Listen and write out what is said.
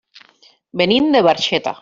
Venim de Barxeta.